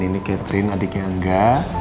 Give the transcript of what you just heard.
ini catherine adiknya angga